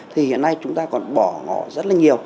thì hiện nay chúng ta còn bỏ ngỏ rất là nhiều